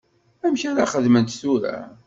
Amek ara xedment tura?